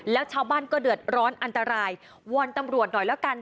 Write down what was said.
แล้วชาวบ้านก็เดือดร้อนอันตรายวอนตำรวจหน่อยแล้วกัน